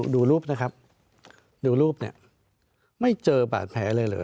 ดูรูปนะครับดูรูปเนี่ยไม่เจอบาดแผลเลยเหรอ